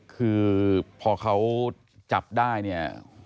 คือพอเขาจับได้